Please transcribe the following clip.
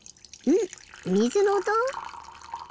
ん？みずのおと？